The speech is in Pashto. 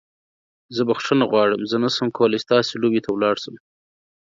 زه بخښنه غواړم چې زه نشم کولی ستاسو لوبې ته لاړ شم.